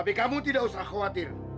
tapi kamu tidak usah khawatir